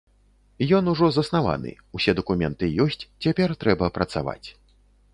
Ён ужо заснаваны, усе дакументы ёсць, цяпер трэба працаваць.